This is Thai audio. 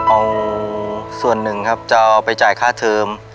เอาส่วนหนึ่งครับจะเอาไปจ่ายค่าเทิม